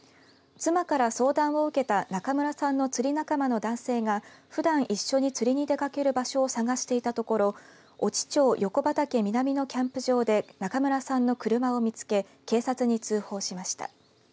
妻から相談を受けた中村さんの釣り仲間の男性がふだん一緒に釣りに出かける場所を探していたところ越知町横畠南のキャンプ場で中村さんの車を見つけ警察に通報しました。